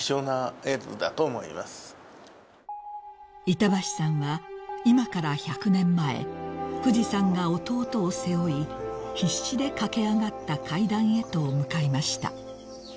［板橋さんは今から１００年前フジさんが弟を背負い必死で駆け上がった階段へと向かいました］